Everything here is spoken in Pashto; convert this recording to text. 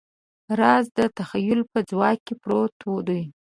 راز د تخیل په ځواک کې پروت دی.